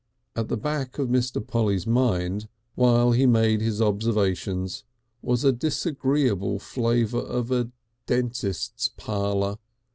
At the back of Mr. Polly's mind while he made his observations was a disagreeable flavour of dentist's parlour.